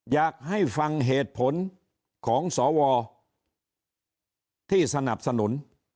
อยากให้ฟังเหตุผลของสวที่สนับสนุน